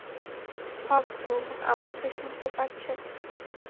হক -টু, আমাকে শুনতে পারছেন?